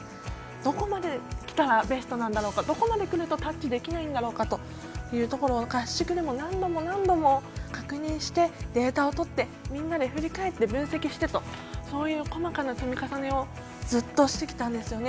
どこまできたらベストなんだろうかどこまできたらタッチができないんだろうかということを合宿でも何度も何度も確認してデータをとってみんなで振り返って分析してそういう細かな積み重ねをずっとしてきたんですね。